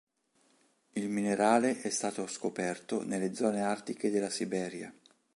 Il minerale è stato scoperto nelle zone artiche della Siberia.